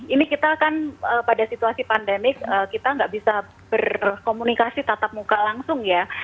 ini kita kan pada situasi pandemik kita nggak bisa berkomunikasi tatap muka langsung ya